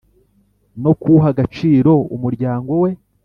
no kuwuha agaciro umuryango we